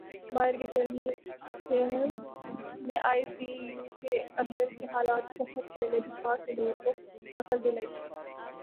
باہر کے چینلز نے آئی سی یو کے اندر کے حالات بہت پہلے دکھا کر لوگوں کو عقل دلائی تھی